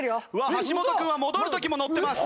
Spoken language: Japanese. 橋本君は戻る時も乗ってます。